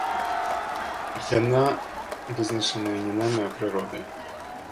Яна вызначаная не намі, а прыродай.